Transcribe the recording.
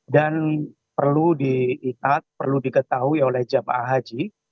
dan perlu diikat perlu diketahui oleh jemaah haji